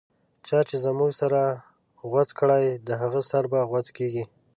چا چی زموږه سر غوڅ کړی، د هغه سر به غو څیږی